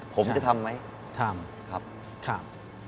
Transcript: ผมจะทำไหมทำ